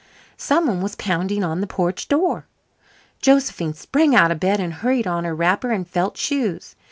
Some one was pounding on the porch door. Josephine sprang out of bed and hurried on her wrapper and felt shoes.